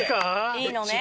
いいのね？